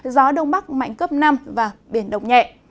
gió đông bắc mạnh cấp năm và biển động nhẹ